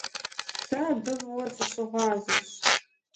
Сэ абы фӀыуэ сыщыгъуазэщ!